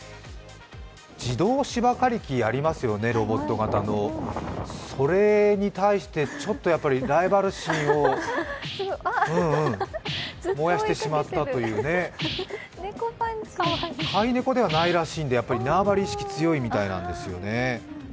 自動芝刈り機ありますよね、ロボット型の。それに対してちょっとライバル心を燃やしてしまったというね、飼い猫ではないらしいんで縄張り意識強いみたいですね。